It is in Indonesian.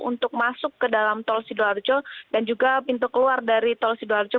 untuk masuk ke dalam tol sidoarjo dan juga pintu keluar dari tol sidoarjo